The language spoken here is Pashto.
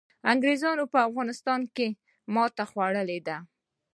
انګریزانو په افغانستان کي ماتي خوړلي ده.